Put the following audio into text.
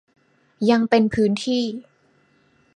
ยังเป็นพื้นที่